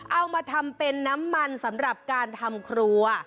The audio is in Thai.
เอามาทำเป็นน้ำมันสำหรับการทำครัว